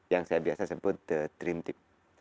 yang saya biasa sebut dream team